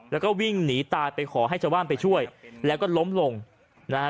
แล้วก็วิ่งหนีตายไปขอให้ชาวบ้านไปช่วยแล้วก็ล้มลงนะฮะ